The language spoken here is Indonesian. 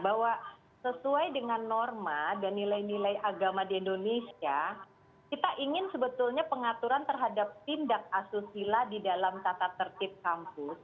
bahwa sesuai dengan norma dan nilai nilai agama di indonesia kita ingin sebetulnya pengaturan terhadap tindak asusila di dalam tata tertib kampus